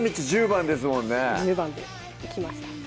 １０番できました